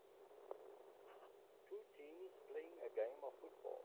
Two teams playing a game of football.